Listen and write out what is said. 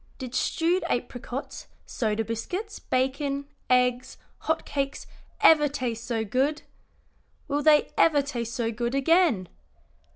"Did stewed apricots, soda biscuits, bacon, eggs, hot cakes, ever taste so good? Will they ever taste so good again?